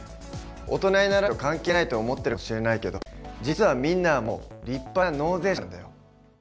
大人にならないと関係ないと思ってるかもしれないけど実はみんなはもう立派な納税者なんだよ。